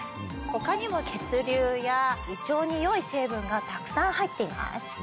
他にも血流や胃腸によい成分がたくさん入っています。